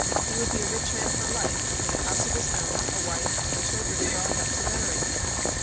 He would be a rich man for life, with a house of his own, a wife, and children growing up to venerate him.